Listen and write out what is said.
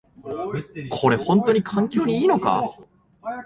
これ、ほんとに環境にいいのか？